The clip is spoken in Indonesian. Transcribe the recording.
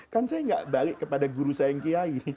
kan saya gak balik kepada guru saya yang kiai